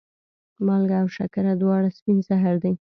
مالګه او شکره دواړه سپین زهر دي.